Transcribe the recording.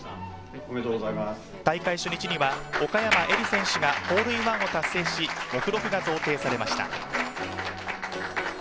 大会初日には岡山絵里選手がホールインワンを達成し、目録が贈呈されました。